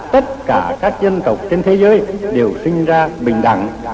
tất cả các dân tộc trên thế giới đều sinh ra bình đẳng